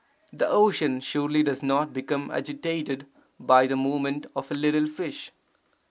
The ocean surely does not become agitated by the movement of a little fish.